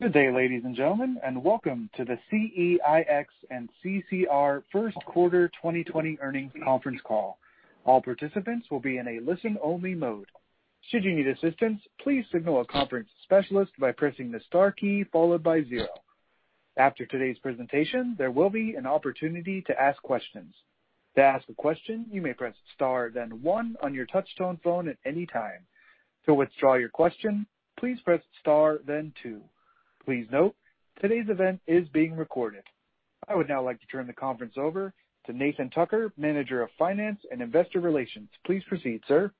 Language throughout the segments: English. Good day, ladies and gentlemen, and welcome to the CEIX and CCR First Quarter 2020 Earnings Conference Call. All participants will be in a listen-only mode. Should you need assistance, please signal a conference specialist by pressing the star key followed by zero. After today's presentation, there will be an opportunity to ask questions. To ask a question, you may press star, then one on your touch-tone phone at any time. To withdraw your question, please press star, then two. Please note, today's event is being recorded. I would now like to turn the conference over to Nathan Tucker, Manager of Finance and Investor Relations. Please proceed, sir.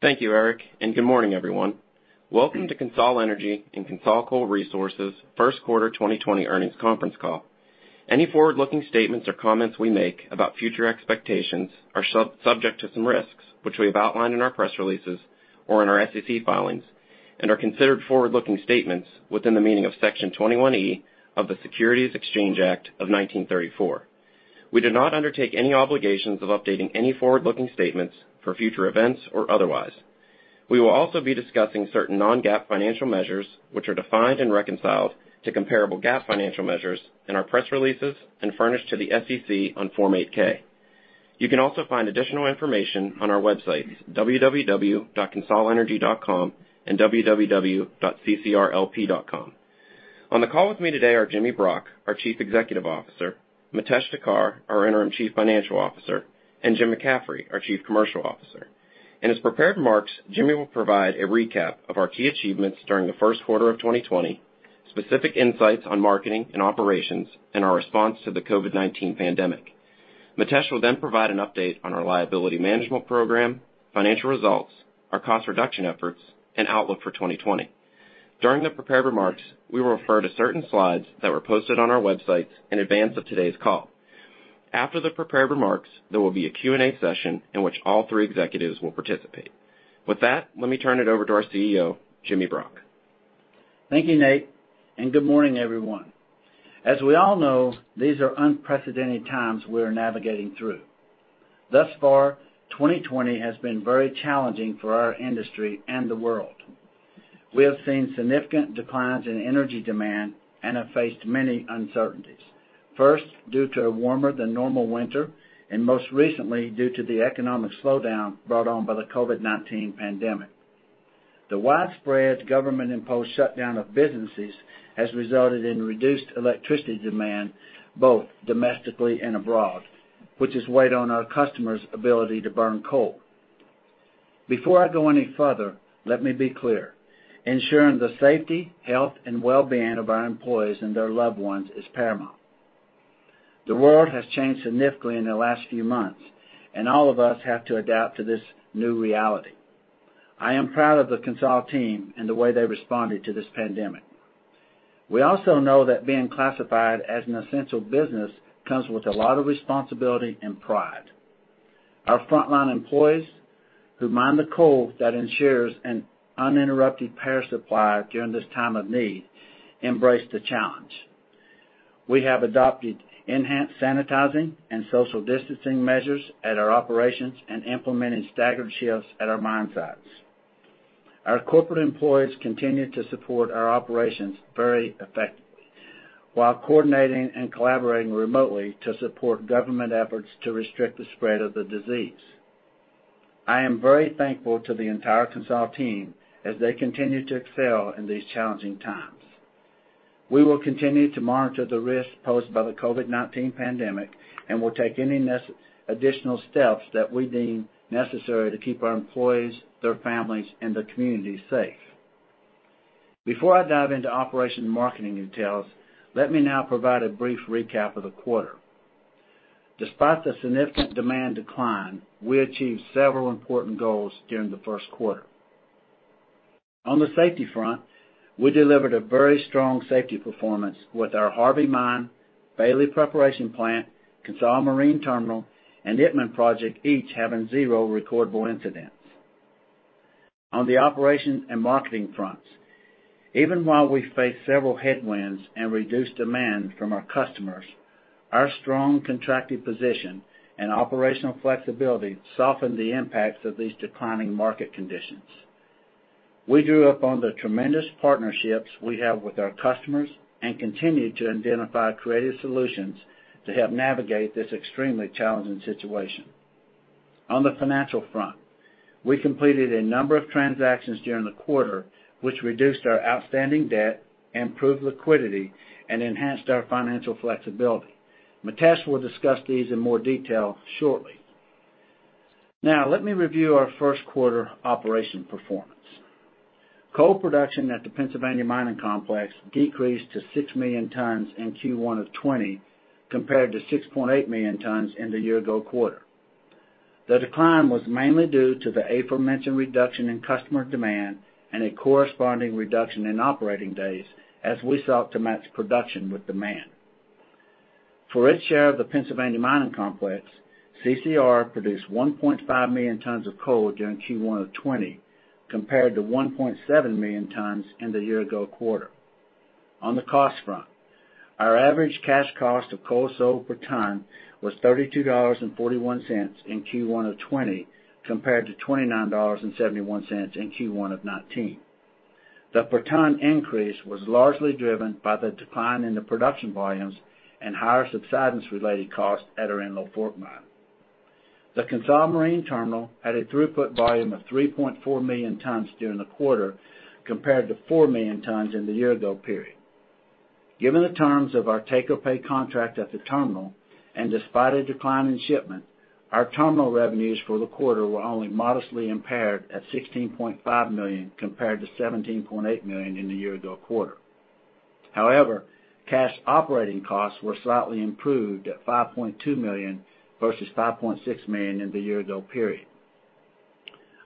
Thank you, Eric, and good morning, everyone. Welcome to CONSOL Energy and CONSOL Coal Resources First Quarter 2020 Earnings Conference Call. Any forward-looking statements or comments we make about future expectations are subject to some risks, which we have outlined in our press releases or in our SEC filings, and are considered forward-looking statements within the meaning of Section 21E of the Securities Exchange Act of 1934. We do not undertake any obligations of updating any forward-looking statements for future events or otherwise. We will also be discussing certain non-GAAP financial measures, which are defined and reconciled to comparable GAAP financial measures, in our press releases and furnished to the SEC on Form 8-K. You can also find additional information on our websites, www.consolenergy.com and www.ccrlp.com. On the call with me today are Jimmy Brock, our Chief Executive Officer, Mitesh Thakkar, our Interim Chief Financial Officer, and Jim McCaffrey, our Chief Commercial Officer. In his prepared remarks, Jimmy will provide a recap of our key achievements during the Q1 of 2020, specific insights on marketing and operations, and our response to the COVID-19 pandemic. Mitesh will then provide an update on our liability management program, financial results, our cost reduction efforts, and outlook for 2020. During the prepared remarks, we will refer to certain slides that were posted on our website in advance of today's call. After the prepared remarks, there will be a Q&A session in which all three executives will participate. With that, let me turn it over to our CEO, Jimmy Brock. Thank you, Nate, and good morning, everyone. As we all know, these are unprecedented times we are navigating through. Thus far, 2020 has been very challenging for our industry and the world. We have seen significant declines in energy demand and have faced many uncertainties, first due to a warmer-than-normal winter and most recently due to the economic slowdown brought on by the COVID-19 pandemic. The widespread government-imposed shutdown of businesses has resulted in reduced electricity demand, both domestically and abroad, which has weighed on our customers' ability to burn coal. Before I go any further, let me be clear: ensuring the safety, health, and well-being of our employees and their loved ones is paramount. The world has changed significantly in the last few months, and all of us have to adapt to this new reality. I am proud of the CONSOL team and the way they responded to this pandemic. We also know that being classified as an essential business comes with a lot of responsibility and pride. Our frontline employees, who mine the coal that ensures an uninterrupted power supply during this time of need, embrace the challenge. We have adopted enhanced sanitizing and social distancing measures at our operations and implemented staggered shifts at our mine sites. Our corporate employees continue to support our operations very effectively while coordinating and collaborating remotely to support government efforts to restrict the spread of the disease. I am very thankful to the entire CONSOL team as they continue to excel in these challenging times. We will continue to monitor the risks posed by the COVID-19 pandemic and will take any additional steps that we deem necessary to keep our employees, their families, and the community safe. Before I dive into operations and marketing details, let me now provide a brief recap of the quarter. Despite the significant demand decline, we achieved several important goals during the Q1. On the safety front, we delivered a very strong safety performance with our Harvey Mine, Bailey Preparation Plant, CONSOL Marine Terminal, and Itmann Project, each having zero recordable incidents. On the operations and marketing fronts, even while we faced several headwinds and reduced demand from our customers, our strong contracting position and operational flexibility softened the impacts of these declining market conditions. We drew upon the tremendous partnerships we have with our customers and continue to identify creative solutions to help navigate this extremely challenging situation. On the financial front, we completed a number of transactions during the quarter, which reduced our outstanding debt, improved liquidity, and enhanced our financial flexibility. Mitesh will discuss these in more detail shortly. Now, let me review our Q1 operational performance. Coal production at the Pennsylvania Mining Complex decreased to 6 million tons in Q1 of 2020 compared to 6.8 million tons in the year-ago quarter. The decline was mainly due to the aforementioned reduction in customer demand and a corresponding reduction in operating days as we sought to match production with demand. For its share of the Pennsylvania Mining Complex, CCR produced 1.5 million tons of coal during Q1 of 2020 compared to 1.7 million tons in the year-ago quarter. On the cost front, our average cash cost of coal sold per ton was $32.41 in Q1 of 2020 compared to $29.71 in Q1 of 2019. The per-ton increase was largely driven by the decline in the production volumes and higher subsidence-related costs at our Enlow Fork Mine. The CONSOL Marine Terminal had a throughput volume of 3.4 million tons during the quarter compared to 4 million tons in the year-ago period. Given the terms of our take-or-pay contract at the terminal, and despite a decline in shipment, our terminal revenues for the quarter were only modestly impaired at $16.5 million compared to $17.8 million in the year-ago quarter. However, cash operating costs were slightly improved at $5.2 million versus $5.6 million in the year-ago period.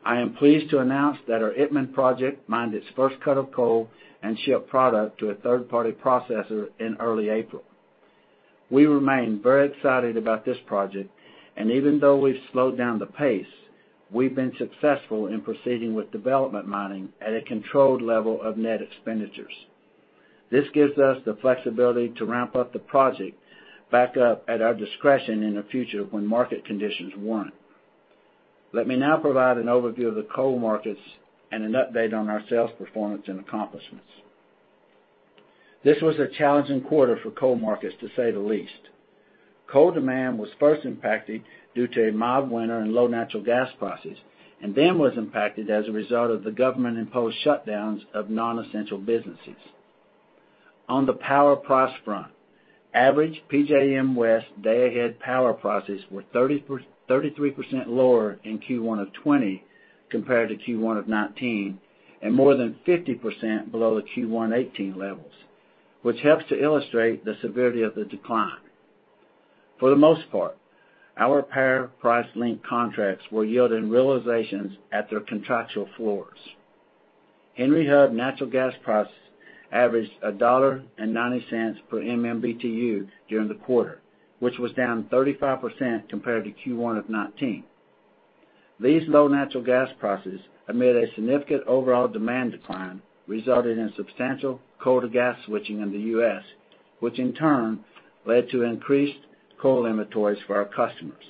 I am pleased to announce that our Itmann Project mined its first cut of coal and shipped product to a third-party processor in early April. We remain very excited about this project, and even though we've slowed down the pace, we've been successful in proceeding with development mining at a controlled level of net expenditures. This gives us the flexibility to ramp up the project back up at our discretion in the future when market conditions warrant. Let me now provide an overview of the coal markets and an update on our sales performance and accomplishments. This was a challenging quarter for coal markets, to say the least. Coal demand was first impacted due to a mild winter and low natural gas prices, and then was impacted as a result of the government-imposed shutdowns of non-essential businesses. On the power price front, average PJM West day-ahead power prices were 33% lower in Q1 of 2020 compared to Q1 of 2019, and more than 50% below the Q1 2018 levels, which helps to illustrate the severity of the decline. For the most part, our power price-linked contracts were yielding realizations at their contractual floors. Henry Hub natural gas prices averaged $1.90 per MMBtu during the quarter, which was down 35% compared to Q1 of 2019. These low natural gas prices amid a significant overall demand decline resulted in substantial coal-to-gas switching in the U.S., which in turn led to increased coal inventories for our customers.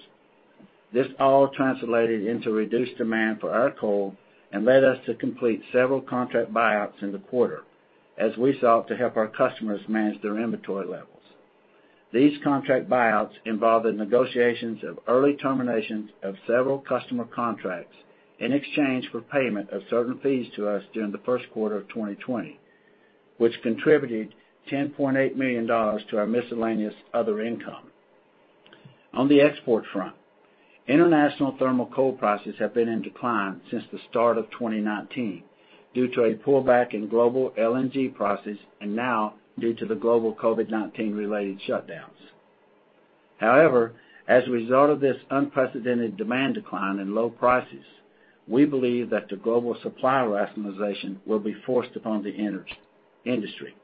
This all translated into reduced demand for our coal and led us to complete several contract buyouts in the quarter as we sought to help our customers manage their inventory levels. These contract buyouts involved the negotiations of early terminations of several customer contracts in exchange for payment of certain fees to us during the Q1 of 2020, which contributed $10.8 million to our miscellaneous other income. On the export front, international thermal coal prices have been in decline since the start of 2019 due to a pullback in global LNG prices and now due to the global COVID-19-related shutdowns. However, as a result of this unprecedented demand decline and low prices, we believe that the global supply rationalization will be forced upon the industry.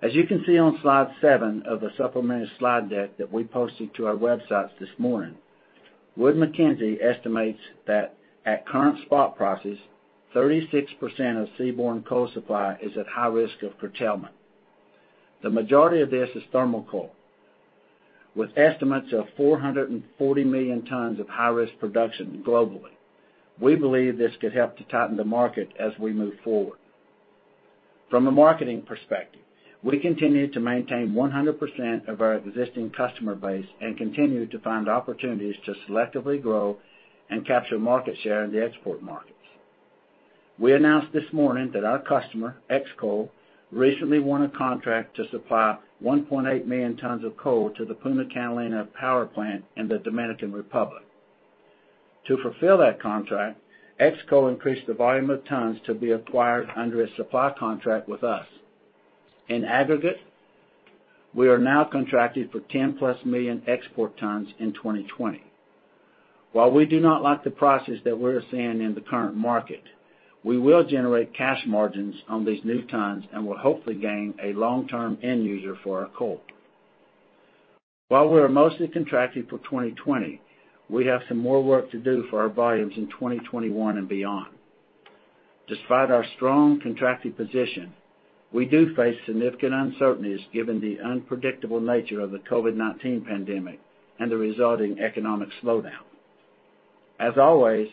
As you can see on slide seven of the supplementary slide deck that we posted to our websites this morning, Wood Mackenzie estimates that at current spot prices, 36% of seaborne coal supply is at high risk of curtailment. The majority of this is thermal coal, with estimates of 440 million tons of high-risk production globally. We believe this could help to tighten the market as we move forward. From a marketing perspective, we continue to maintain 100% of our existing customer base and continue to find opportunities to selectively grow and capture market share in the export markets. We announced this morning that our customer, Xcoal, recently won a contract to supply 1.8 million tons of coal to the Punta Catalina Power Plant in the Dominican Republic. To fulfill that contract, Xcoal increased the volume of tons to be acquired under a supply contract with us. In aggregate, we are now contracted for 10-plus million export tons in 2020. While we do not like the prices that we're seeing in the current market, we will generate cash margins on these new tons and will hopefully gain a long-term end user for our coal. While we are mostly contracted for 2020, we have some more work to do for our volumes in 2021 and beyond. Despite our strong contracted position, we do face significant uncertainties given the unpredictable nature of the COVID-19 pandemic and the resulting economic slowdown. As always,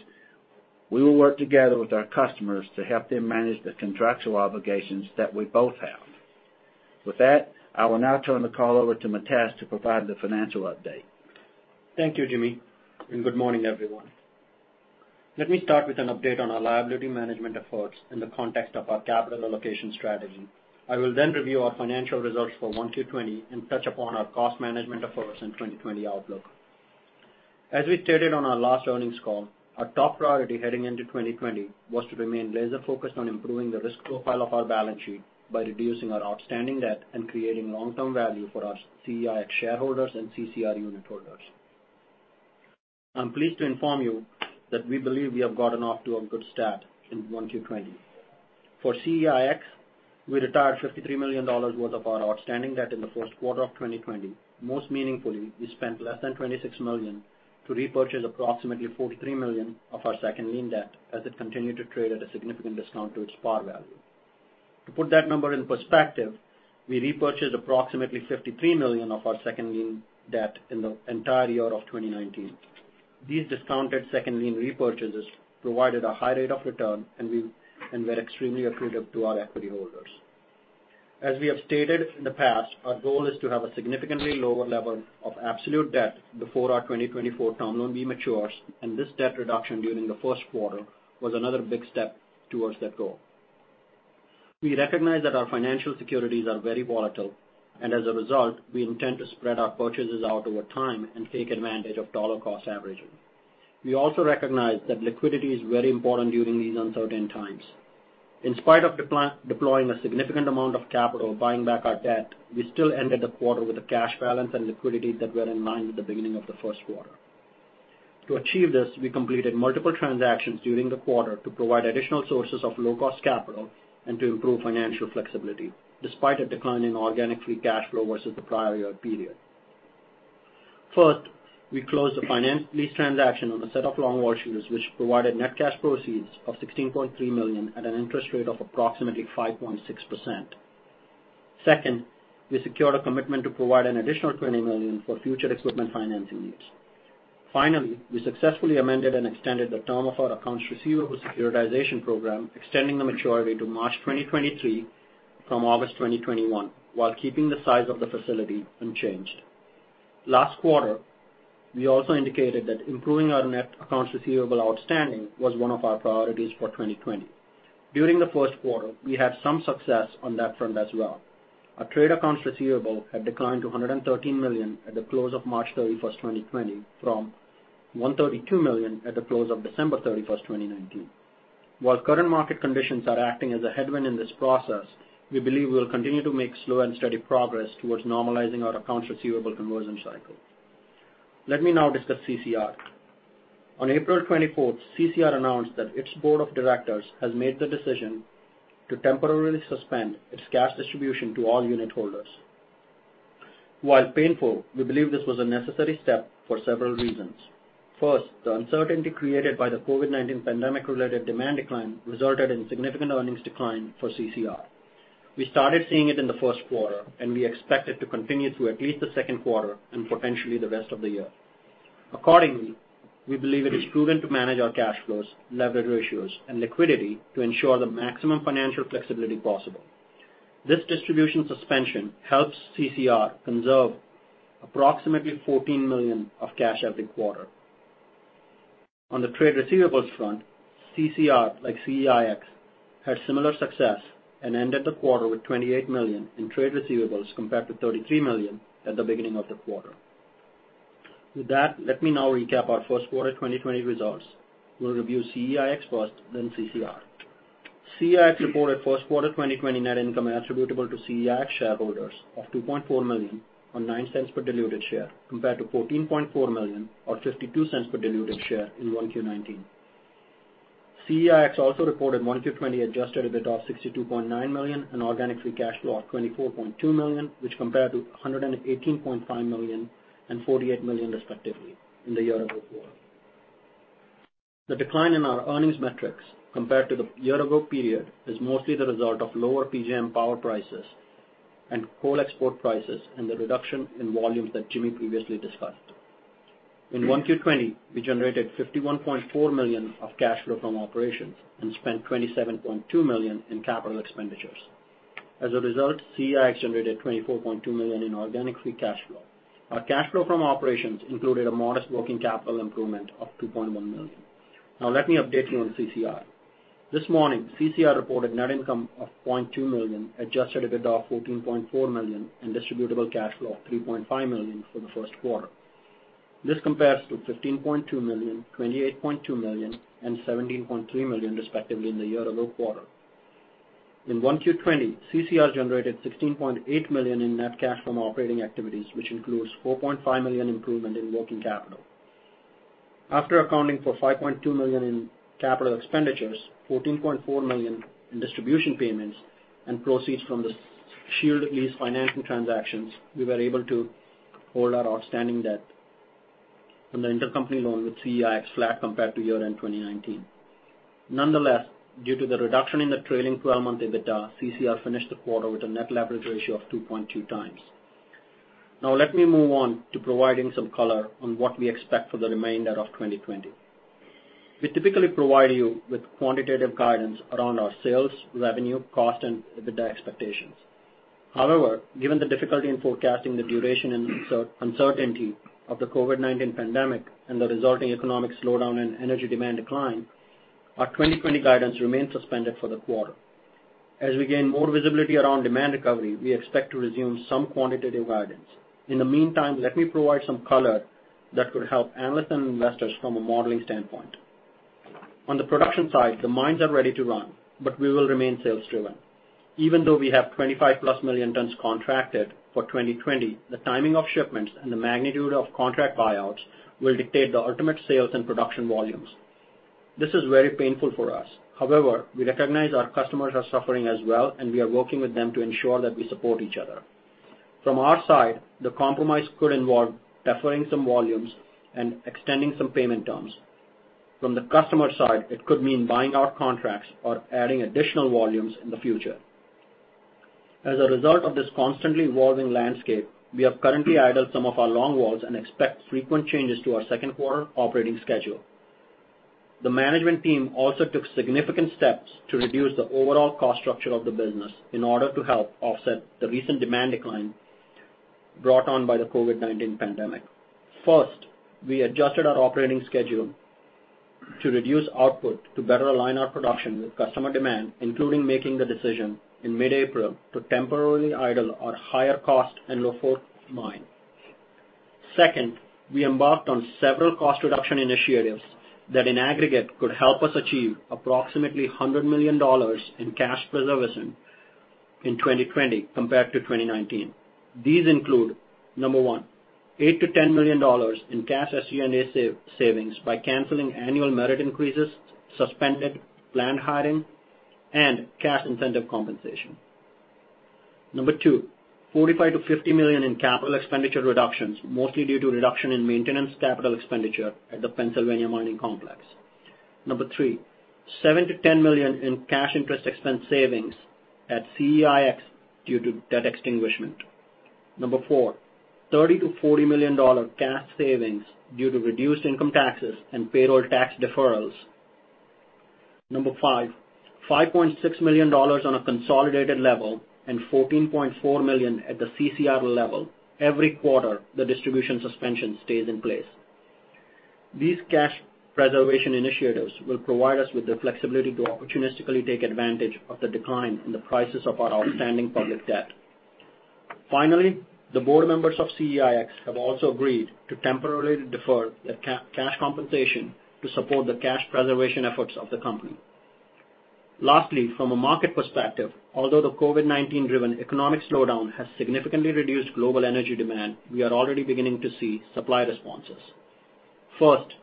we will work together with our customers to help them manage the contractual obligations that we both have. With that, I will now turn the call over to Mitesh to provide the financial update. Thank you, Jimmy, and good morning, everyone. Let me start with an update on our liability management efforts in the context of our capital allocation strategy. I will then review our financial results for 1Q20 and touch upon our cost management efforts and 2020 outlook. As we stated on our last earnings call, our top priority heading into 2020 was to remain laser-focused on improving the risk profile of our balance sheet by reducing our outstanding debt and creating long-term value for our CEIX shareholders and CCR unitholders. I'm pleased to inform you that we believe we have gotten off to a good start in 1Q20. For CEIX, we retired $53 million worth of our outstanding debt in the Q1 of 2020. Most meaningfully, we spent less than $26 million to repurchase approximately $43 million of our second lien debt as it continued to trade at a significant discount to its par value. To put that number in perspective, we repurchased approximately $53 million of our second lien debt in the entire year of 2019. These discounted second lien repurchases provided a high rate of return and were extremely accretive to our equity holders. As we have stated in the past, our goal is to have a significantly lower level of absolute debt before our 2024 term loan matures, and this debt reduction during the Q1 was another big step towards that goal. We recognize that our financial securities are very volatile, and as a result, we intend to spread our purchases out over time and take advantage of dollar-cost averaging. We also recognize that liquidity is very important during these uncertain times. In spite of deploying a significant amount of capital buying back our debt, we still ended the quarter with a cash balance and liquidity that were in line with the beginning of the Q1. To achieve this, we completed multiple transactions during the quarter to provide additional sources of low-cost capital and to improve financial flexibility, despite a decline in organic free cash flow versus the prior year period. First, we closed the finance lease transaction on a set of longwall shields, which provided net cash proceeds of $16.3 million at an interest rate of approximately 5.6%. Second, we secured a commitment to provide an additional $20 million for future equipment financing needs. Finally, we successfully amended and extended the term of our accounts receivable securitization program, extending the maturity to March 2023 from August 2021 while keeping the size of the facility unchanged. Last quarter, we also indicated that improving our net accounts receivable outstanding was one of our priorities for 2020. During the Q1, we had some success on that front as well. Our trade accounts receivable had declined to $113 million at the close of March 31, 2020, from $132 million at the close of December 31, 2019. While current market conditions are acting as a headwind in this process, we believe we will continue to make slow and steady progress towards normalizing our accounts receivable conversion cycle. Let me now discuss CCR. On April 24, CCR announced that its board of directors has made the decision to temporarily suspend its cash distribution to all unit holders. While painful, we believe this was a necessary step for several reasons. First, the uncertainty created by the COVID-19 pandemic-related demand decline resulted in significant earnings decline for CCR. We started seeing it in the Q1, and we expect it to continue through at least the Q2 and potentially the rest of the year. Accordingly, we believe it is prudent to manage our cash flows, leverage ratios, and liquidity to ensure the maximum financial flexibility possible. This distribution suspension helps CCR conserve approximately $14 million of cash every quarter. On the trade receivables front, CCR, like CEIX, had similar success and ended the quarter with $28 million in trade receivables compared to $33 million at the beginning of the quarter. With that, let me now recap our Q1 2020 results. We'll review CEIX first, then CCR. CEIX reported Q1 2020 net income attributable to CEIX shareholders of $2.4 million or $0.09 per diluted share compared to $14.4 million or $0.52 per diluted share in 1Q19. CEIX also reported 1Q20 Adjusted EBITDA of $62.9 million and organic free cash flow of $24.2 million, which compared to $118.5 million and $48 million, respectively, in the year-ago quarter. The decline in our earnings metrics compared to the year-ago period is mostly the result of lower PJM power prices and coal export prices and the reduction in volumes that Jimmy previously discussed. In 1Q20, we generated $51.4 million of cash flow from operations and spent $27.2 million in capital expenditures. As a result, CEIX generated $24.2 million in organic free cash flow. Our cash flow from operations included a modest working capital improvement of $2.1 million. Now, let me update you on CCR. This morning, CCR reported net income of $0.2 million, adjusted EBITDA of $14.4 million, and distributable cash flow of $3.5 million for the Q1. This compares to $15.2 million, $28.2 million, and $17.3 million, respectively, in the year-ago quarter. In 1Q20, CCR generated $16.8 million in net cash from operating activities, which includes $4.5 million improvement in working capital. After accounting for $5.2 million in capital expenditures, $14.4 million in distribution payments, and proceeds from the shielded lease financing transactions, we were able to hold our outstanding debt on the intercompany loan with CEIX flat compared to year-end 2019. Nonetheless, due to the reduction in the trailing 12-month EBITDA, CCR finished the quarter with a net leverage ratio of 2.2 times. Now, let me move on to providing some color on what we expect for the remainder of 2020. We typically provide you with quantitative guidance around our sales, revenue, cost, and EBITDA expectations. However, given the difficulty in forecasting the duration and uncertainty of the COVID-19 pandemic and the resulting economic slowdown and energy demand decline, our 2020 guidance remained suspended for the quarter. As we gain more visibility around demand recovery, we expect to resume some quantitative guidance. In the meantime, let me provide some color that could help analysts and investors from a modeling standpoint. On the production side, the mines are ready to run, but we will remain sales-driven. Even though we have 25-plus million tons contracted for 2020, the timing of shipments and the magnitude of contract buyouts will dictate the ultimate sales and production volumes. This is very painful for us. However, we recognize our customers are suffering as well, and we are working with them to ensure that we support each other. From our side, the compromise could involve deferring some volumes and extending some payment terms. From the customer side, it could mean buying out contracts or adding additional volumes in the future. As a result of this constantly evolving landscape, we have currently idled some of our longwalls and expect frequent changes to our Q2 operating schedule. The management team also took significant steps to reduce the overall cost structure of the business in order to help offset the recent demand decline brought on by the COVID-19 pandemic. First, we adjusted our operating schedule to reduce output to better align our production with customer demand, including making the decision in mid-April to temporarily idle our higher-cost and Enlow Fork mine. Second, we embarked on several cost reduction initiatives that, in aggregate, could help us achieve approximately $100 million in cash preservation in 2020 compared to 2019. These include, number one, $8-$10 million in cash SG&A savings by canceling annual merit increases, suspended planned hiring, and cash incentive compensation. Number two, $45-$50 million in capital expenditure reductions, mostly due to reduction in maintenance capital expenditure at the Pennsylvania Mining Complex. Number three, $7-$10 million in cash interest expense savings at CEIX due to debt extinguishment. Number four, $30-$40 million cash savings due to reduced income taxes and payroll tax deferrals. Number five, $5.6 million on a consolidated level and $14.4 million at the CCR level every quarter the distribution suspension stays in place. These cash preservation initiatives will provide us with the flexibility to opportunistically take advantage of the decline in the prices of our outstanding public debt. Finally, the board members of CEIX have also agreed to temporarily defer their cash compensation to support the cash preservation efforts of the company. Lastly, from a market perspective, although the COVID-19-driven economic slowdown has significantly reduced global energy demand, we are already beginning to see supply responses. First,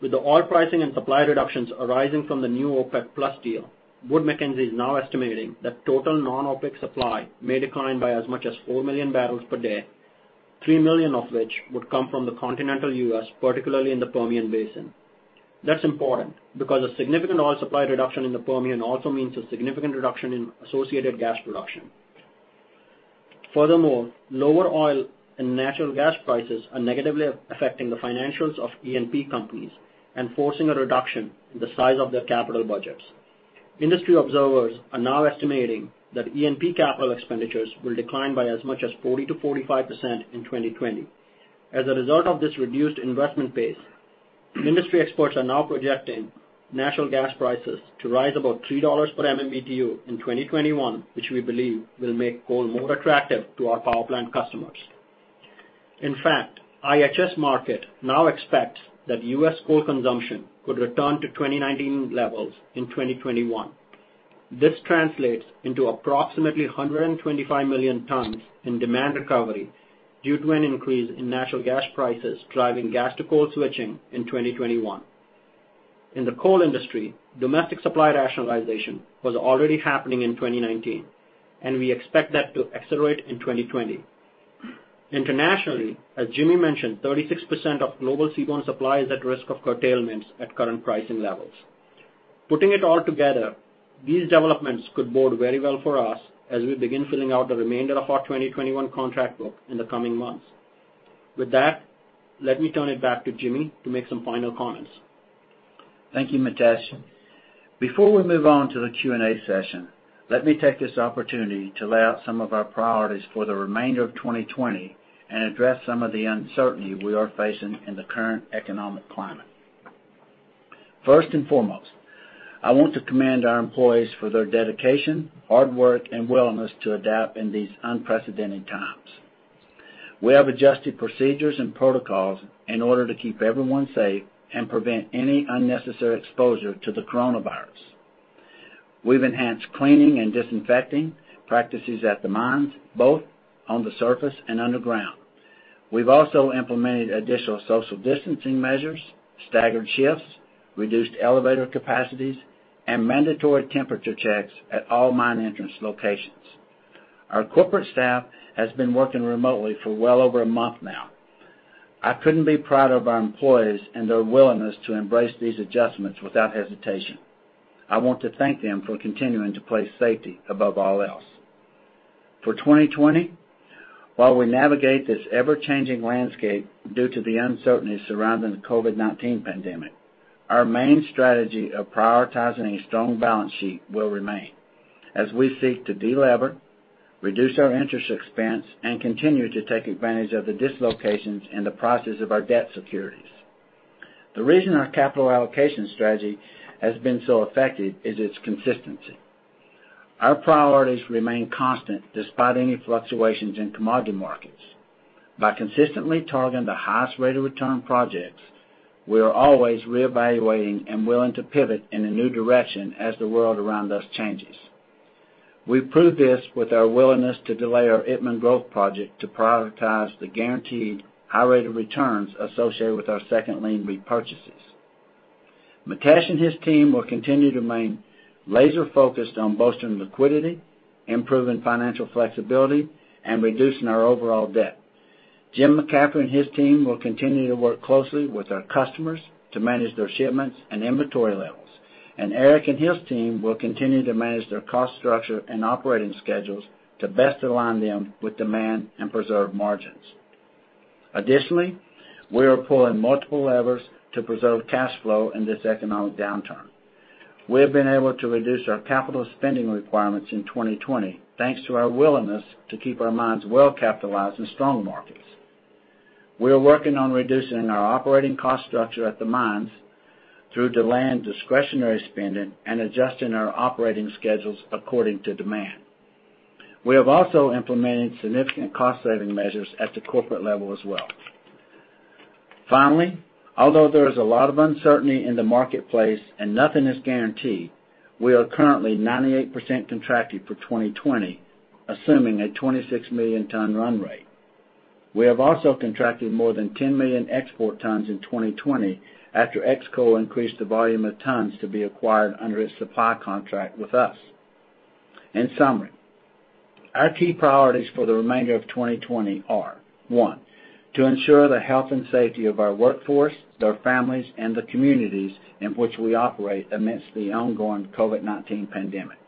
with the oil pricing and supply reductions arising from the new OPEC+ deal, Wood Mackenzie is now estimating that total non-OPEC supply may decline by as much as 4 million barrels per day, 3 million of which would come from the continental U.S., particularly in the Permian Basin. That's important because a significant oil supply reduction in the Permian also means a significant reduction in associated gas production. Furthermore, lower oil and natural gas prices are negatively affecting the financials of E&P companies and forcing a reduction in the size of their capital budgets. Industry observers are now estimating that E&P capital expenditures will decline by as much as 40%-45% in 2020. As a result of this reduced investment pace, industry experts are now projecting natural gas prices to rise above $3 per MMBtu in 2021, which we believe will make coal more attractive to our power plant customers. In fact, IHS Markit now expects that U.S. coal consumption could return to 2019 levels in 2021. This translates into approximately $125 million in demand recovery due to an increase in natural gas prices driving gas-to-coal switching in 2021. In the coal industry, domestic supply rationalization was already happening in 2019, and we expect that to accelerate in 2020. Internationally, as Jimmy mentioned, 36% of global seaborne supply is at risk of curtailments at current pricing levels. Putting it all together, these developments could bode very well for us as we begin filling out the remainder of our 2021 contract book in the coming months. With that, let me turn it back to Jimmy to make some final comments. Thank you, Mitesh. Before we move on to the Q&A session, let me take this opportunity to lay out some of our priorities for the remainder of 2020 and address some of the uncertainty we are facing in the current economic climate. First and foremost, I want to commend our employees for their dedication, hard work, and willingness to adapt in these unprecedented times. We have adjusted procedures and protocols in order to keep everyone safe and prevent any unnecessary exposure to the coronavirus. We've enhanced cleaning and disinfecting practices at the mines, both on the surface and underground. We've also implemented additional social distancing measures, staggered shifts, reduced elevator capacities, and mandatory temperature checks at all mine entrance locations. Our corporate staff has been working remotely for well over a month now. I couldn't be prouder of our employees and their willingness to embrace these adjustments without hesitation. I want to thank them for continuing to place safety above all else. For 2020, while we navigate this ever-changing landscape due to the uncertainty surrounding the COVID-19 pandemic, our main strategy of prioritizing a strong balance sheet will remain as we seek to delever, reduce our interest expense, and continue to take advantage of the dislocations in the prices of our debt securities. The reason our capital allocation strategy has been so effective is its consistency. Our priorities remain constant despite any fluctuations in commodity markets. By consistently targeting the highest rate of return projects, we are always reevaluating and willing to pivot in a new direction as the world around us changes. We prove this with our willingness to delay our Itmann growth project to prioritize the guaranteed high rate of returns associated with our second lien repurchases. Mitesh and his team will continue to remain laser-focused on bolstering liquidity, improving financial flexibility, and reducing our overall debt. Jim McCaffrey and his team will continue to work closely with our customers to manage their shipments and inventory levels, and Eric and his team will continue to manage their cost structure and operating schedules to best align them with demand and preserve margins. Additionally, we are pulling multiple levers to preserve cash flow in this economic downturn. We have been able to reduce our capital spending requirements in 2020 thanks to our willingness to keep our mines well-capitalized in strong markets. We are working on reducing our operating cost structure at the mines through delaying discretionary spending and adjusting our operating schedules according to demand. We have also implemented significant cost-saving measures at the corporate level as well. Finally, although there is a lot of uncertainty in the marketplace and nothing is guaranteed, we are currently 98% contracted for 2020, assuming a 26 million ton run rate. We have also contracted more than 10 million export tons in 2020 after Xcoal increased the volume of tons to be acquired under its supply contract with us. In summary, our key priorities for the remainder of 2020 are: one, to ensure the health and safety of our workforce, their families, and the communities in which we operate amidst the ongoing COVID-19 pandemic.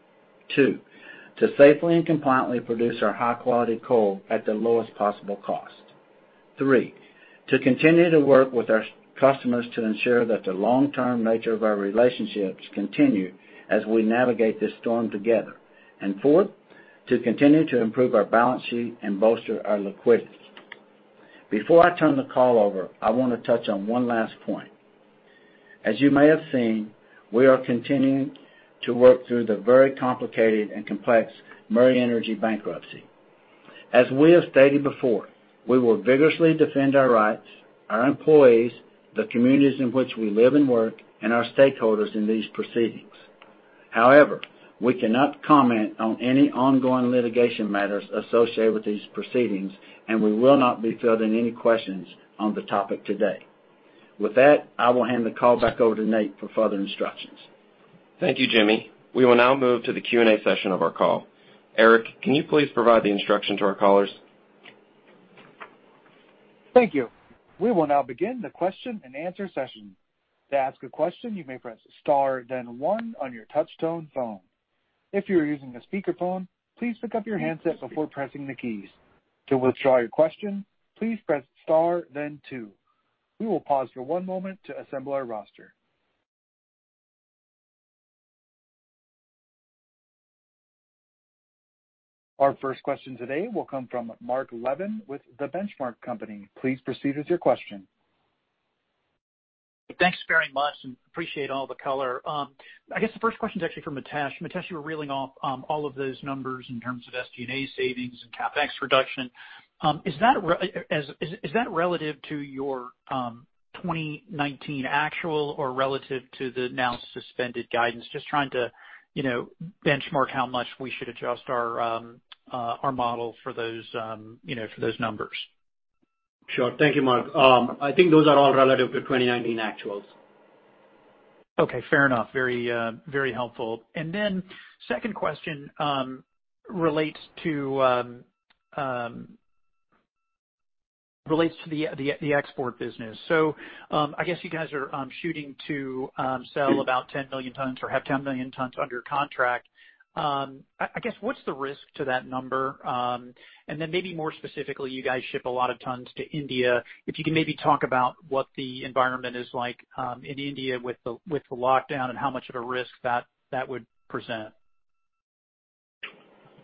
Two, to safely and compliantly produce our high-quality coal at the lowest possible cost. Three, to continue to work with our customers to ensure that the long-term nature of our relationships continue as we navigate this storm together. And fourth, to continue to improve our balance sheet and bolster our liquidity. Before I turn the call over, I want to touch on one last point. As you may have seen, we are continuing to work through the very complicated and complex Murray Energy bankruptcy. As we have stated before, we will vigorously defend our rights, our employees, the communities in which we live and work, and our stakeholders in these proceedings. However, we cannot comment on any ongoing litigation matters associated with these proceedings, and we will not be fielding any questions on the topic today. With that, I will hand the call back over to Nate for further instructions. Thank you, Jimmy. We will now move to the Q&A session of our call. Eric, can you please provide the instruction to our callers? Thank you. We will now begin the question-and-answer session. To ask a question, you may press Star, then 1 on your touch-tone phone. If you are using a speakerphone, please pick up your handset before pressing the keys. To withdraw your question, please press Star, then 2. We will pause for one moment to assemble our roster. Our first question today will come from Mark Levin with The Benchmark Company. Please proceed with your question. Thanks very much. Appreciate all the color. The first question is actually for Mitesh. Mitesh, you were reeling off all of those numbers in terms of SG&A savings and CapEx reduction. Is that relative to your 2019 actual or relative to the now suspended guidance? Just trying to benchmark how much we should adjust our model for those numbers. Sure. Thank you, Mark. Those are all relative to 2019 actuals. Okay. Fair enough. Very helpful. And then second question relates to the export business. So you guys are shooting to sell about 10 million tons or have 10 million tons under contract. What's the risk to that number? And then maybe more specifically, you guys ship a lot of tons to India. If you can maybe talk about what the environment is like in India with the lockdown and how much of a risk that would present.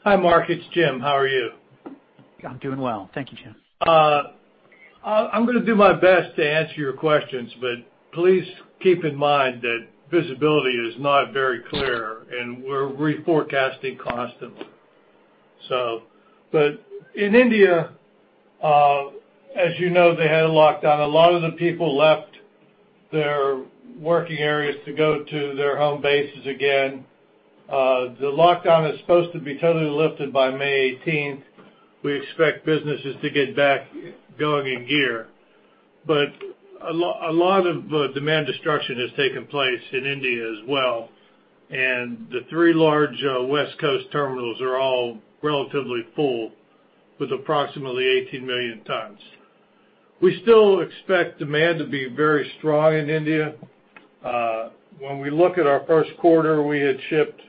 Hi, Mark. It's Jim. How are you? I'm doing well. Thank you, Jim. I'm going to do my best to answer your questions, but please keep in mind that visibility is not very clear, and we're reforecasting constantly. But in India, as you know, they had a lockdown. A lot of the people left their working areas to go to their home bases again. The lockdown is supposed to be totally lifted by May 18th. We expect businesses to get back going in gear. But a lot of demand destruction has taken place in India as well, and the three large West Coast terminals are all relatively full with approximately 18 million tons. We still expect demand to be very strong in India. When we look at our Q1, we had shipped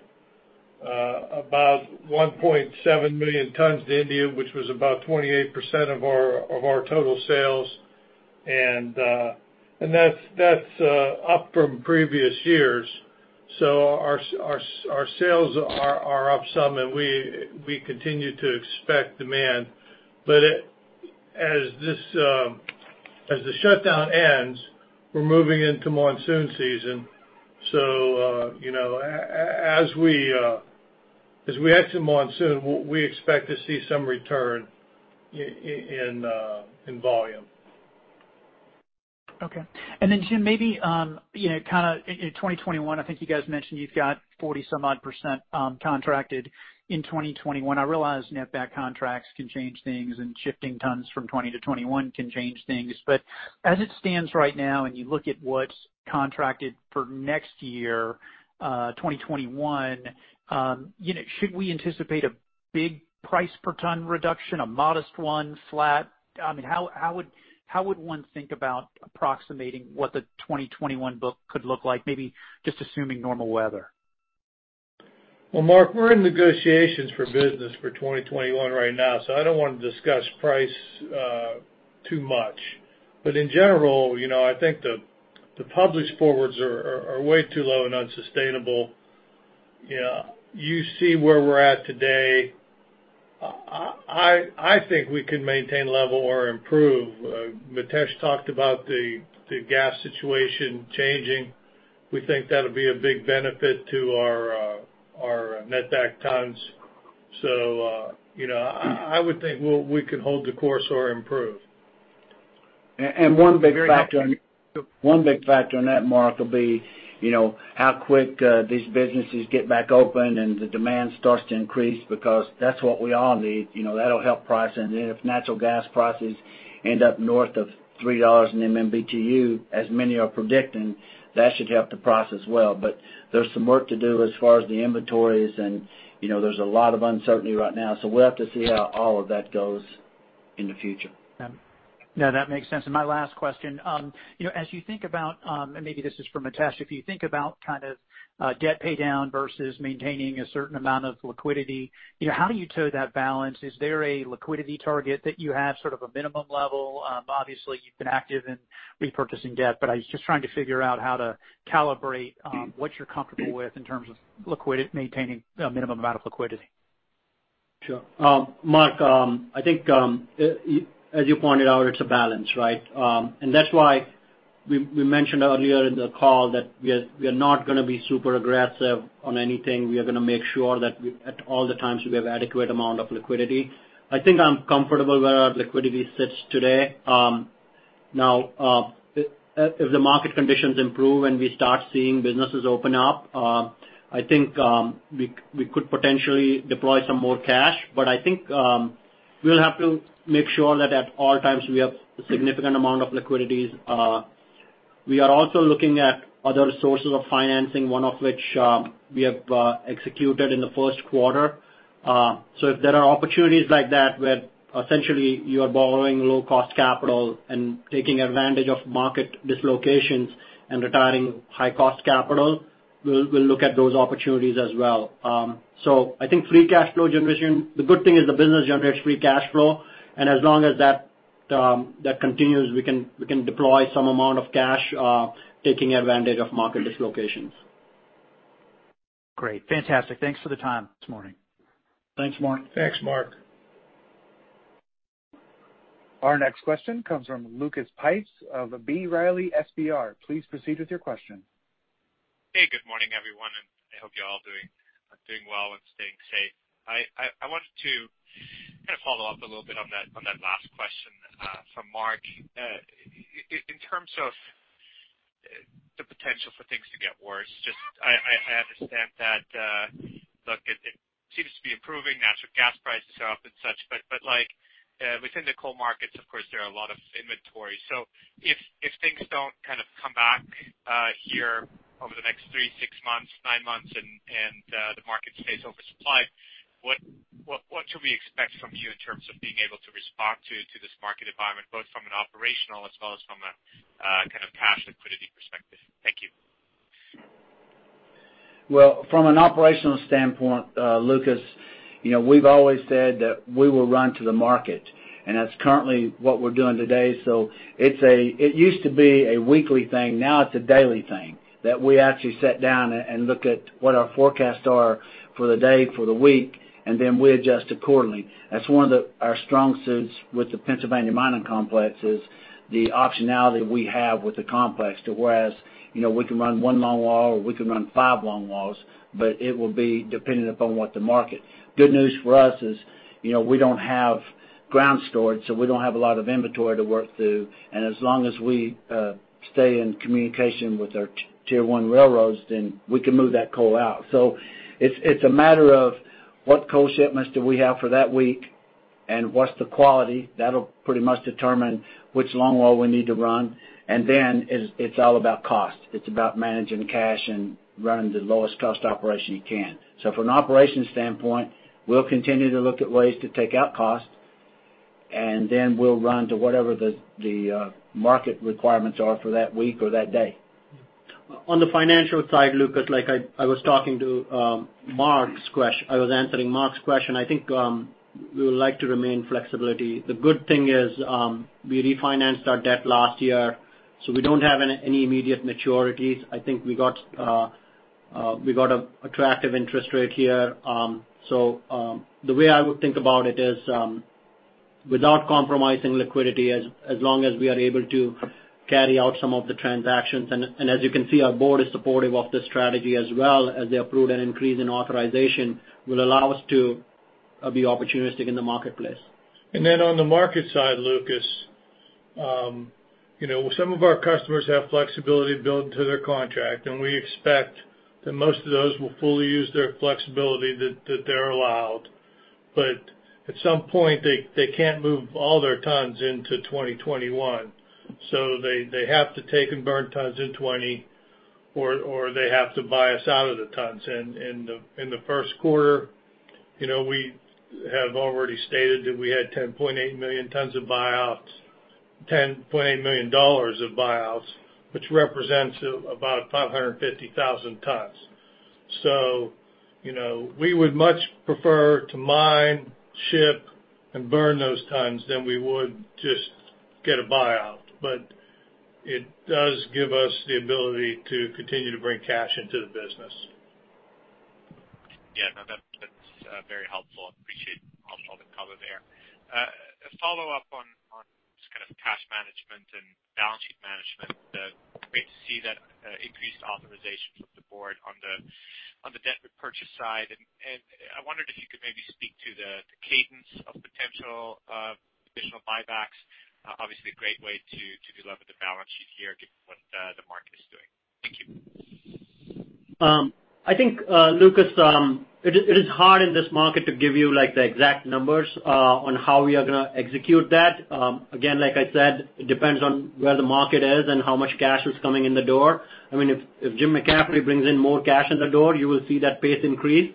about 1.7 million tons to India, which was about 28% of our total sales. That's up from previous years. Our sales are up some, and we continue to expect demand. As the shutdown ends, we're moving into monsoon season. So as we exit monsoon, we expect to see some return in volume. Okay. Then, Jim, maybe in 2021, you guys mentioned you've got 40-some-odd% contracted. In 2021, I realize netback contracts can change things, and shifting tons from 20 to 21 can change things. As it stands right now, and you look at what's contracted for next year, 2021, should we anticipate a big price per ton reduction, a modest one, flat? I mean, how would one think about approximating what the 2021 book could look like, maybe just assuming normal weather? Mark, we're in negotiations for business for 2021 right now, so I don't want to discuss price too much. But in general, the public's forwards are way too low and unsustainable. You see where we're at today. We can maintain level or improve. Mitesh talked about the gas situation changing. We think that'll be a big benefit to our netback tons. So I would think we can hold the course or improve. And one big factor on that, Mark, will be how quick these businesses get back open and the demand starts to increase because that's what we all need. That'll help price. And then if natural gas prices end up north of $3 an MMBtu, as many are predicting, that should help the price as well. But there's some work to do as far as the inventories, and there's a lot of uncertainty right now. So we'll have to see how all of that goes in the future. No, that makes sense. My last question, as you think about, and maybe this is for Mitesh, if you think about debt pay down versus maintaining a certain amount of liquidity, how do you toe that balance? Is there a liquidity target that you have a minimum level? Obviously, you've been active in repurchasing debt, but I was just trying to figure out how to calibrate what you're comfortable with in terms of maintaining a minimum amount of liquidity. Sure. Mark, as you pointed out, it's a balance, right? And that's why we mentioned earlier in the call that we are not going to be super aggressive on anything. We are going to make sure that at all the times we have an adequate amount of liquidity. I'm comfortable where our liquidity sits today. Now, if the market conditions improve and we start seeing businesses open up, we could potentially deploy some more cash. But we'll have to make sure that at all times we have a significant amount of liquidity. We are also looking at other sources of financing, one of which we have executed in the Q1. So if there are opportunities like that where essentially you are borrowing low-cost capital and taking advantage of market dislocations and retiring high-cost capital, we'll look at those opportunities as well. So free cash flow generation, the good thing is the business generates free cash flow. And as long as that continues, we can deploy some amount of cash taking advantage of market dislocations. Great. Fantastic. Thanks for the time this morning. Thanks, Mark. Thanks, Mark. Our next question comes from Lucas Pipes of B. Riley FBR. Please proceed with your question. Hey, good morning, everyone. I hope you're all doing well and staying safe. I wanted to follow up a little bit on that last question from Mark. In terms of the potential for things to get worse, I understand that it seems to be improving. Natural gas prices are up and such, but within the coal markets, of course, there are a lot of inventory. So if things don't come back here over the next three, six months, nine months, and the market stays oversupplied, what should we expect from you in terms of being able to respond to this market environment, both from an operational as well as from a cash liquidity perspective? Thank you. Well, from an operational standpoint, Lucas, we've always said that we will run to the market, and that's currently what we're doing today. So it used to be a weekly thing. Now it's a daily thing that we actually sit down and look at what our forecasts are for the day, for the week, and then we adjust accordingly. That's one of our strong suits with the Pennsylvania Mining Complex is the optionality we have with the complex, whereas we can run one longwall or we can run five longwalls, but it will be dependent upon what the market. Good news for us is we don't have ground storage, so we don't have a lot of inventory to work through. And as long as we stay in communication with our tier one railroads, then we can move that coal out. So it's a matter of what coal shipments do we have for that week and what's the quality. That'll pretty much determine which longwall we need to run. And then it's all about cost. It's about managing cash and running the lowest cost operation you can. So from an operation standpoint, we'll continue to look at ways to take out cost, and then we'll run to whatever the market requirements are for that week or that day. On the financial side, Lucas, like I was talking to Mark, I was answering Mark's question. We would like to remain flexible. The good thing is we refinanced our debt last year, so we don't have any immediate maturities. We got an attractive interest rate here. So the way I would think about it is without compromising liquidity, as long as we are able to carry out some of the transactions. And as you can see, our board is supportive of this strategy as well as the approved increase in authorization will allow us to be opportunistic in the marketplace. And then on the market side, Lucas, some of our customers have flexibility built into their contract, and we expect that most of those will fully use their flexibility that they're allowed. But at some point, they can't move all their tons into 2021. So they have to take and burn tons in 2020, or they have to buy us out of the tons. And in the Q1, we have already stated that we had 10.8 million tons of buyouts, $10.8 million of buyouts, which represents about 550,000 tons. So we would much prefer to mine, ship, and burn those tons than we would just get a buyout. But it does give us the ability to continue to bring cash into the business. No, that's very helpful.I appreciate all the cover there. A follow-up on cash management and balance sheet management. Great to see that increased authorization from the board on the debt repurchase side. And I wondered if you could maybe speak to the cadence of potential additional buybacks. Obviously, a great way to be level with the balance sheet here given what the market is doing. Thank you. Lucas, it is hard in this market to give you the exact numbers on how we are going to execute that. Again, like I said, it depends on where the market is and how much cash is coming in the door. I mean, if Jim McCaffrey brings in more cash in the door, you will see that pace increase.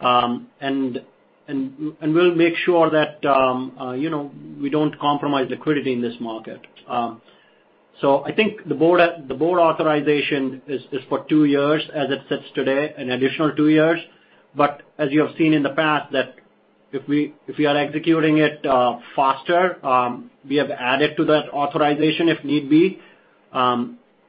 And we'll make sure that we don't compromise liquidity in this market. So the board authorization is for two years as it sits today, an additional two years. But as you have seen in the past, that if we are executing it faster, we have added to that authorization if need be.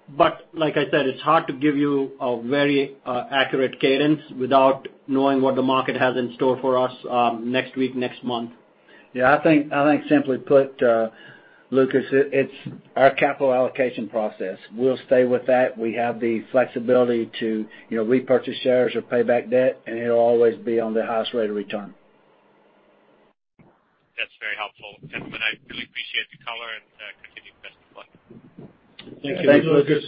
But like I said, it's hard to give you a very accurate cadence without knowing what the market has in store for us next week, next month. Simply put, Lucas, it's our capital allocation process. We'll stay with that. We have the flexibility to repurchase shares or pay back debt, and it'll always be on the highest rate of return. That's very helpful. And I really appreciate the color and continue to best of luck. Thank you. Thanks, Lucas.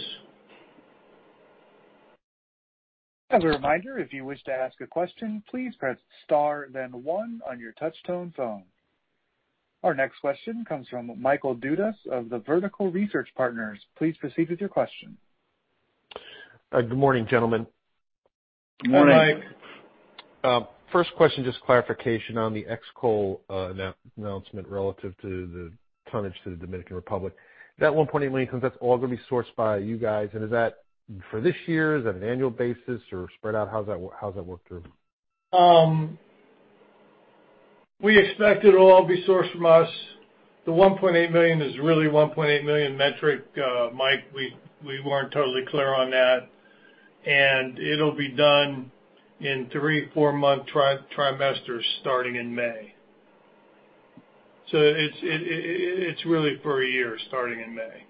As a reminder, if you wish to ask a question, please press star, then one on your touch-tone phone. Our next question comes from Michael Dudas of Vertical Research Partners. Please proceed with your question. Good morning, gentlemen. Good morning. Hi, Mike. First question, just clarification on the Xcoal announcement relative to the tonnage to the Dominican Republic. That 1.8 million tons, that's all going to be sourced by you guys. And is that for this year? Is that an annual basis or spread out? How's that work through? We expect it'll all be sourced from us. The 1.8 million is really 1.8 million metric, Mike. We weren't totally clear on that. And it'll be done in three four-month trimesters starting in May. So it's really for a year starting in May.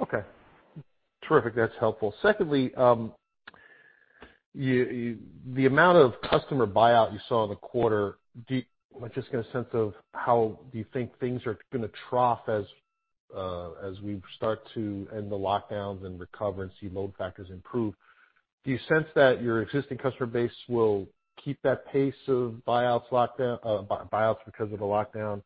Okay. Terrific. That's helpful. Secondly, the amount of customer buyout you saw in the quarter, I'm just getting a sense of how do you think things are going to trough as we start to end the lockdowns and recover and see load factors improve? Do you sense that your existing customer base will keep that pace of buyouts because of the lockdown,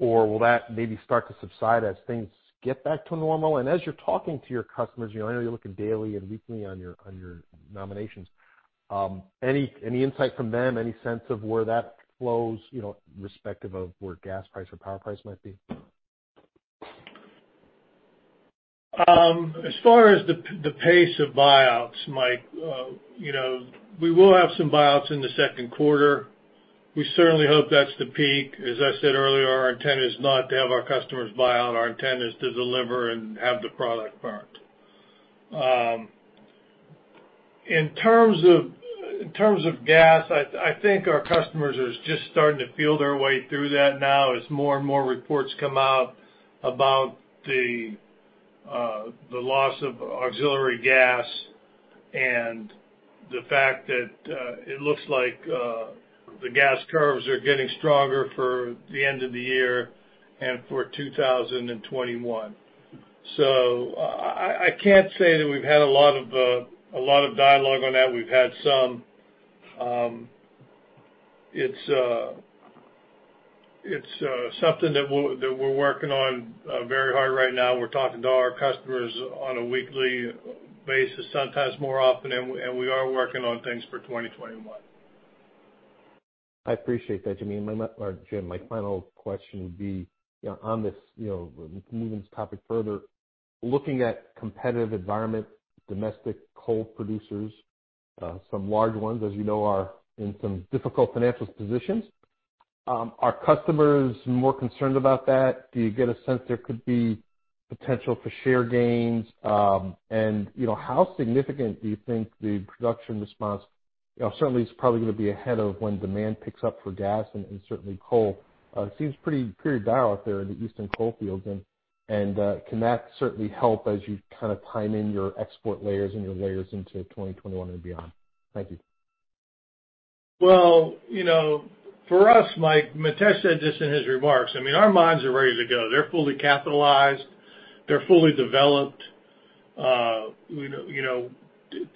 or will that maybe start to subside as things get back to normal? And as you're talking to your customers, I know you're looking daily and weekly on your nominations. Any insight from them? Any sense of where that flows respective of where gas price or power price might be? As far as the pace of buyouts, Mike, we will have some buyouts in the Q2. We certainly hope that's the peak. As I said earlier, our intent is not to have our customers buy out. Our intent is to deliver and have the product burnt. In terms of gas, our customers are just starting to feel their way through that now as more and more reports come out about the loss of auxiliary gas and the fact that it looks like the gas curves are getting stronger for the end of the year and for 2021. So I can't say that we've had a lot of dialogue on that. We've had some. It's something that we're working on very hard right now. We're talking to our customers on a weekly basis, sometimes more often, and we are working on things for 2021. I appreciate that, Jimmy. Or Jim, my final question would be on this moving this topic further, looking at competitive environment, domestic coal producers, some large ones, as you know, are in some difficult financial positions. Are customers more concerned about that? Do you get a sense there could be potential for share gains? And how significant do you think the production response? Certainly, it's probably going to be ahead of when demand picks up for gas and certainly coal. It seems pretty powder dry out there in the eastern coal fields. And can that certainly help as you timing your export loadings and your loadings into 2021 and beyond? Thank you. Well, for us, Mike, Mitesh said this in his remarks. I mean, our mines are ready to go. They're fully capitalized. They're fully developed.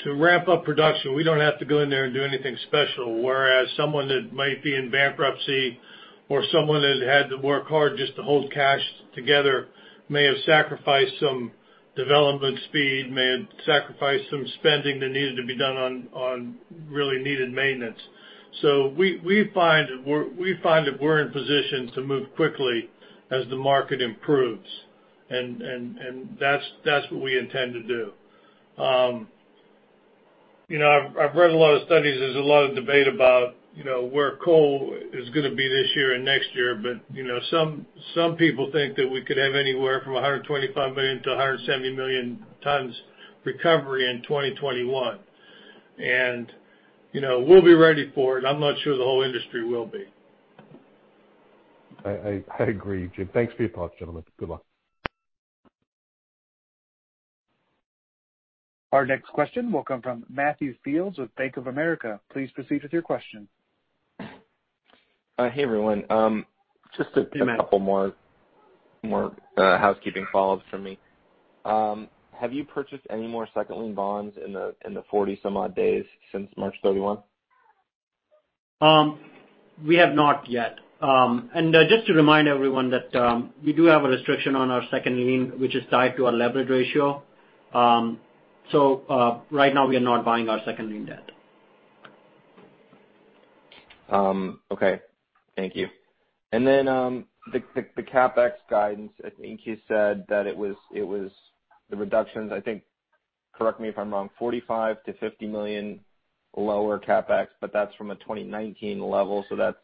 To ramp up production, we don't have to go in there and do anything special, whereas someone that might be in bankruptcy or someone that had to work hard just to hold cash together may have sacrificed some development speed, may have sacrificed some spending that needed to be done on really needed maintenance. So we find that we're in position to move quickly as the market improves. And that's what we intend to do. I've read a lot of studies. There's a lot of debate about where coal is going to be this year and next year, but some people think that we could have anywhere from 125 million to 170 million tons recovery in 2021. And we'll be ready for it. I'm not sure the whole industry will be. I agree, Jim. Thanks for your thought, gentlemen. Good luck. Our next question will come from Matthew Fields with Bank of America. Please proceed with your question. Hey, everyone. Just a couple more housekeeping follow-ups from me. Have you purchased any more second lien bonds in the 40-some-odd days since March 31? We have not yet. And just to remind everyone that we do have a restriction on our second lien, which is tied to our leverage ratio. So right now, we are not buying our second lien debt. Okay. Thank you. And then the CapEx guidance, you said that it was the reductions, correct me if I'm wrong, $45 million-$50 million lower CapEx, but that's from a 2019 level. So is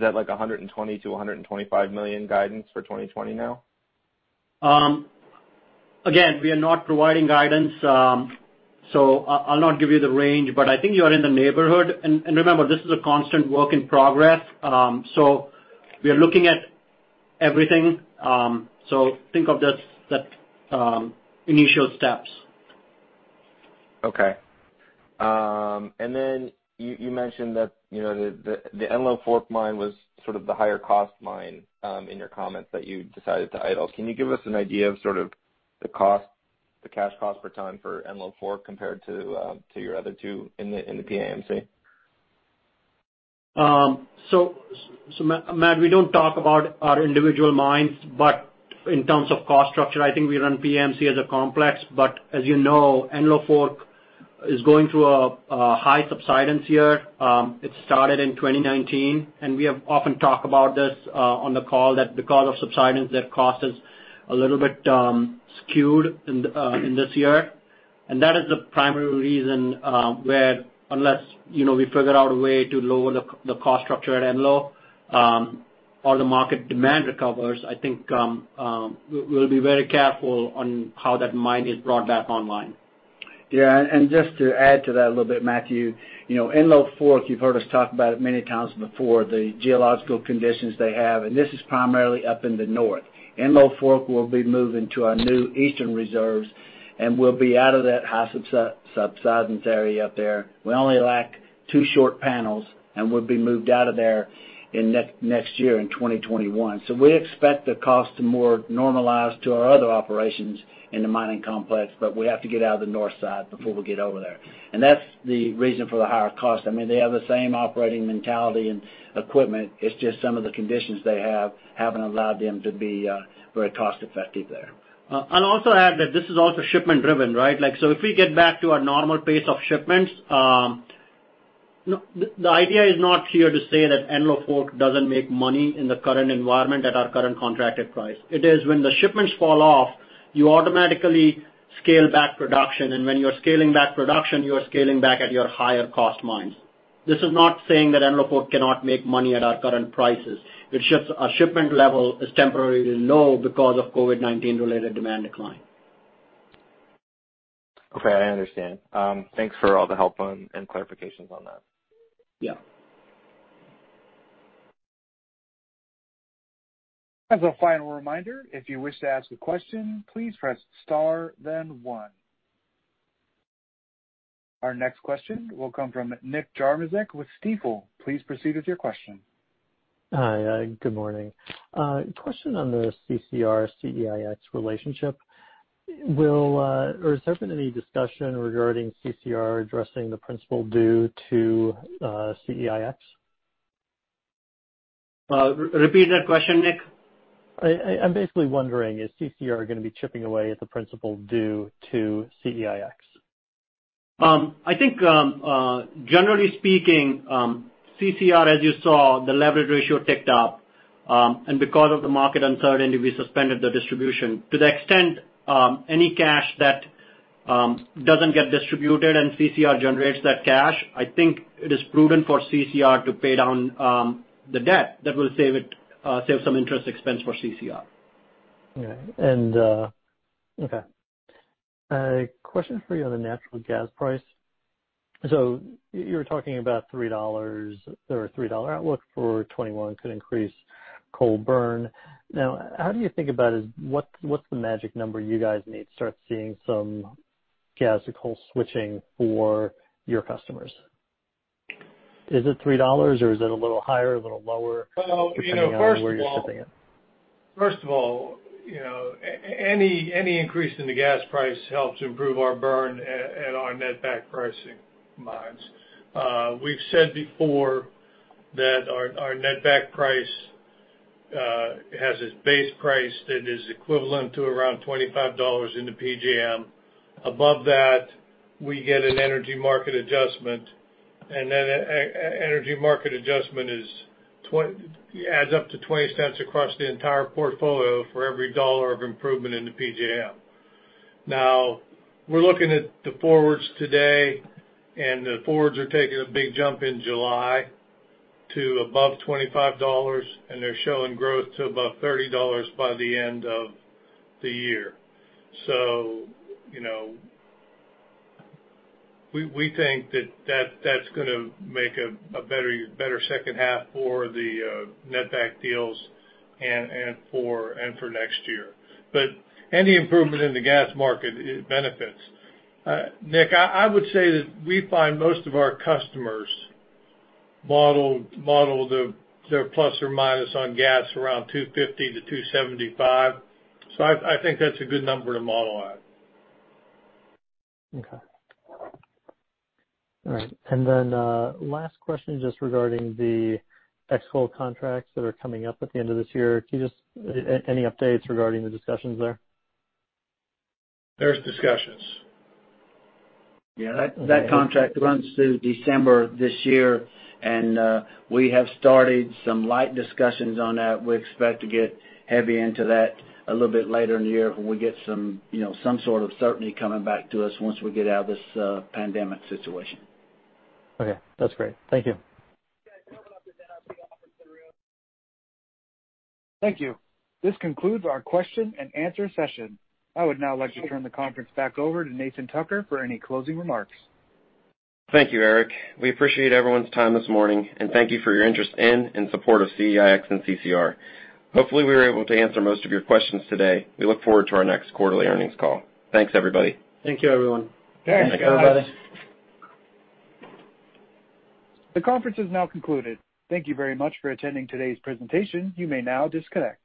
that like $120 million-$125 million guidance for 2020 now? Again, we are not providing guidance. So I'll not give you the range, but you are in the neighborhood. Remember, this is a constant work in progress. We are looking at everything. Think of that initial steps. Okay. Then you mentioned that the Enlow Fork mine was the higher-cost mine in your comments that you decided to idle. Can you give us an idea of the cash cost per ton for Enlow Forkcompared to your other two in the PAMC? Matt, we don't talk about our individual mines, but in terms of cost structure, we run PAMC as a complex. As you know, Enlow Fork is going through a high subsidence year. It started in 2019. We have often talked about this on the call that because of subsidence, their cost is a little bit skewed in this year. And that is the primary reason where unless we figure out a way to lower the cost structure at Enlow or the market demand recovers, we'll be very careful on how that mine is brought back online. And just to add to that a little bit, Matthew, Enlow Fork, you've heard us talk about it many times before, the geological conditions they have. And this is primarily up in the north. Enlow Fork will be moving to our new eastern reserves, and we'll be out of that high subsidence area up there. We only lack two short panels, and we'll be moved out of there next year in 2021. So we expect the cost to more normalize to our other operations in the mining complex, but we have to get out of the north side before we get over there. And that's the reason for the higher cost. I mean, they have the same operating mentality and equipment. It's just some of the conditions they have haven't allowed them to be very cost-effective there. And also add that this is also shipment-driven, right? So if we get back to our normal pace of shipments, the idea is not here to say that Enlow Fork doesn't make money in the current environment at our current contracted price. It is when the shipments fall off, you automatically scale back production. And when you're scaling back production, you're scaling back at your higher-cost mines. This is not saying that Enlow Fork cannot make money at our current prices. Our shipment level is temporarily low because of COVID-19-related demand decline. Okay. I understand. Thanks for all the help and clarifications on that. As a final reminder, if you wish to ask a question, please press star, then one. Our next question will come from Nick Jarmoszuk with Stifel. Please proceed with your question. Hi. Good morning. Question on the CCR-CEIX relationship. Will or has there been any discussion regarding CCR addressing the principal due to CEIX? Repeat that question, Nick. I'm basically wondering, is CCR going to be chipping away at the principal due to CEIX? Generally speaking, CCR, as you saw, the leverage ratio ticked up. And because of the market uncertainty, we suspended the distribution. To the extent any cash that doesn't get distributed and CCR generates that cash, it is prudent for CCR to pay down the debt that will save some interest expense for CCR. Okay. And okay. Question for you on the natural gas price. So you were talking about $3 or $3 outlook for 2021 could increase coal burn. Now, how do you think about it? What's the magic number you guys need to start seeing some gas or coal switching for your customers? Is it $3, or is it a little higher, a little lower? Well, first of all, where are you shipping it? First of all, any increase in the gas price helps improve our burn and our netback pricing mines. We've said before that our netback price has a base price that is equivalent to around $25 in the PJM. Above that, we get an energy market adjustment. And that energy market adjustment adds up to 20 cents across the entire portfolio for every dollar of improvement in the PJM. Now, we're looking at the forwards today, and the forwards are taking a big jump in July to above $25, and they're showing growth to above $30 by the end of the year. So we think that that's going to make a better second half for the netback deals and for next year. But any improvement in the gas market benefits. Nick, I would say that we find most of our customers model their plus or minus on gas around 250 to 275. So that's a good number to model at. Okay. All right. And then last question just regarding the export contracts that are coming up at the end of this year. Any updates regarding the discussions there? There's discussions. That contract runs through December this year, and we have started some light discussions on that. We expect to get heavy into that a little bit later in the year when we get some certainty coming back to us once we get out of this pandemic situation. Okay. That's great. Thank you. Thank you. This concludes our Q&A session. I would now like to turn the conference back over to Nathan Tucker for any closing remarks. Thank you, Eric. We appreciate everyone's time this morning, and thank you for your interest in and support of CEIX and CCR. Hopefully, we were able to answer most of your questions today. We look forward to our next quarterly earnings call. Thanks, everybody. Thank you, everyone. Thanks, everybody. Thanks, guys. The conference is now concluded. Thank you very much for attending today's presentation. You may now disconnect.